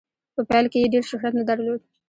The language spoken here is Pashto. په پیل کې یې ډیر شهرت نه درلود.